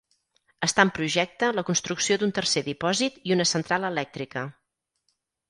Està en projecte la construcció d'un tercer dipòsit i una central elèctrica.